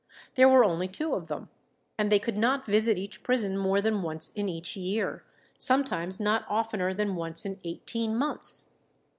There were only two of them, and they could not visit each prison more than once in each year, sometimes not oftener than once in eighteen months.